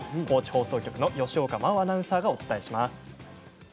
高知放送局の吉岡真央アナウンサーがお伝えします。